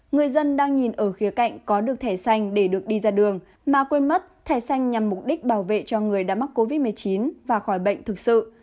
người dân đang nhìn ở khía cạnh có được thẻ xanh để được đi ra đường mà quên mất thẻ xanh nhằm mục đích bảo vệ cho người đã mắc covid một mươi chín và khỏi bệnh thực sự